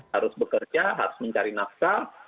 harus bekerja harus mencari nafkah